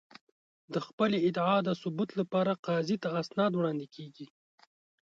د خپلې ادعا د ثبوت لپاره قاضي ته اسناد وړاندې کېږي.